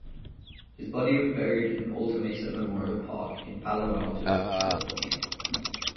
His body was buried in Alta Mesa Memorial Park in Palo Alto, California.